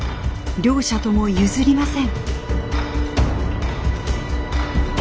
両者とも譲りません。